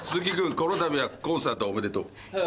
このたびはコンサートおめでとう。